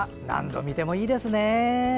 何度見てもいいですね。